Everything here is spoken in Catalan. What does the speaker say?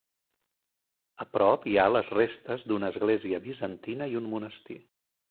A prop hi ha les restes d'una església bizantina i un monestir.